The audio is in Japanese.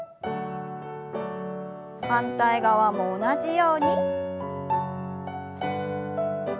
反対側も同じように。